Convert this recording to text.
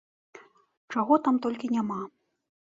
Чаго там толькі няма!